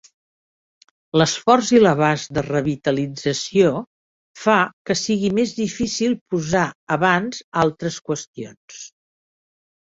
L'esforç i l'abast de revitalització fa que sigui més difícil posar abans altres qüestions.